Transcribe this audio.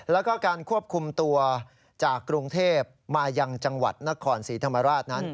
แล้วก็การควบคุมตัวจากกรุงเทพมายังจังหวัดนครศรีธรรมราชนั้น